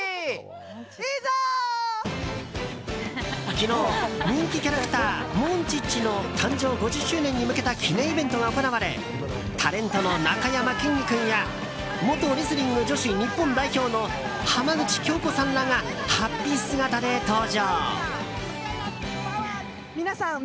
昨日、人気キャラクターモンチッチの誕生５０周年に向けた記念イベントが行われタレントのなかやまきんに君や元レスリング女子日本代表の浜口京子さんらがはっぴ姿で登場。